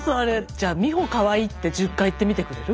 じゃ美穂かわいいって１０回言ってみてくれる？